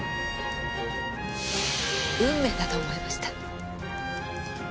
運命だと思いました。